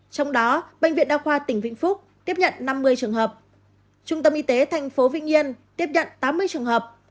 trong đó bệnh viện đa khoa tỉnh vĩnh phúc tiếp nhận năm mươi trường hợp trung tâm y tế tp vinh yên tiếp nhận tám mươi trường hợp